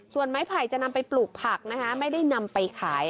ส่วนไม้ไผ่จะนำไปปลูกผักนะคะไม่ได้นำไปขาย